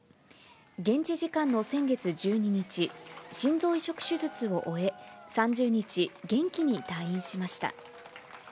現地時間の先月１２日、心臓移植手術を終え、３０日、元気に退院しました。